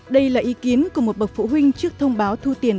đây là ý kiến của một bậc phụ huynh trước thông báo thu tiền